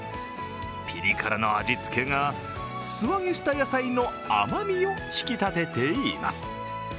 ピリ辛の味付けが、素揚げした野菜の甘みを引き立てています。